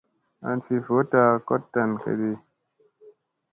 An fi voɗta koɗ tan kadi.